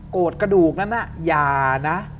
โกรธกระดูกนั้นน่ะอย่านะ